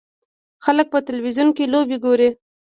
خلک په تلویزیون کې لوبې ګوري.